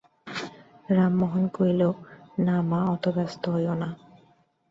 রামমোহন কহিল, না মা, অত ব্যস্ত হইয়ো না।